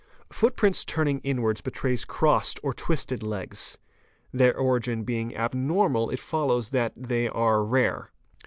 % Footprints turning inwards betray crossed or twisted legs: their ; origin being abnormal it follows that they are rare.